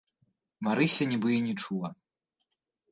Марыся нібы і не чула.